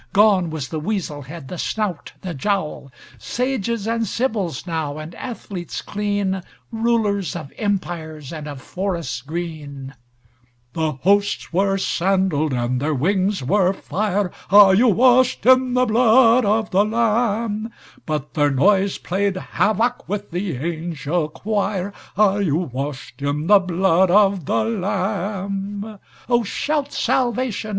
Gone was the weasel head, the snout, the jowl! Sages and sibyls now, and athletes clean, Rulers of empires and of forests green!(Grand chorus of all instruments. Tambourines to the foreground)The hosts were sandalled, and their wings were fire!(Are you washed in the blood of the Lamb?)But their noise played havoc with the angel choir(Are you washed in the blood of the Lamb?)O, shout Salvation!